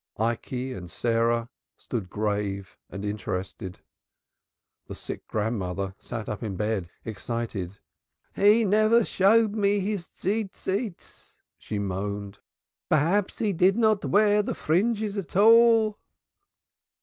Ikey and Sarah stood grave and interested. The sick grandmother sat up in bed excited. "He never showed me his 'four corners,'" she moaned. "Perhaps he did not wear the fringes at all."